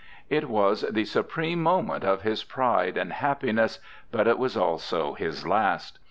It was the supreme moment of his pride and happiness; but it was also his last.